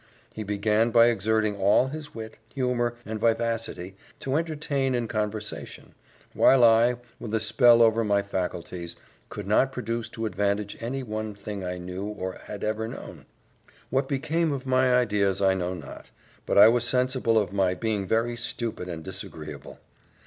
He began by exerting all his wit, humour, and vivacity, to entertain in conversation; while I, with a spell over my faculties, could not produce to advantage any one thing I knew or had ever known. What became of my ideas I know not, but I was sensible of my being very stupid and disagreeable.